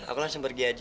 aku langsung pergi aja